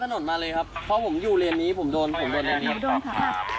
ใช่ข้ามถนนมาเลยครับเพราะผมอยู่เรียนนี้ผมโดนผมโดนเรียนนี้โดนค่ะ